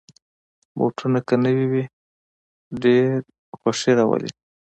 بوټونه که نوې وي، ډېر خوښي راولي.